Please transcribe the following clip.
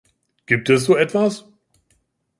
Gibt es so etwas?